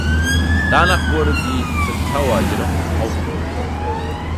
Danach wurde die "Centaur" jedoch aufgelegt.